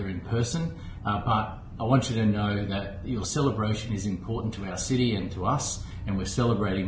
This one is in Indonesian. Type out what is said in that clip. hal ini mencerminkan tidak hanya hubungan yang semakin kuat antara indonesia dengan australia